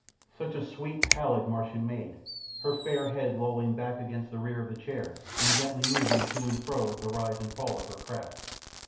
Such a sweet, pallid, Martian maid, her fair head lolling back against the rear of the chair and gently moving to and fro with the rise and fall of her craft.